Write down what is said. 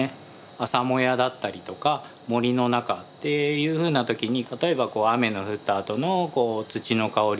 朝もやだったりとか森の中というふうな時に例えば雨の降ったあとの土の香り